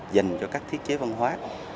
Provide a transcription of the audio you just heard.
dành cho các thiết chế văn hóa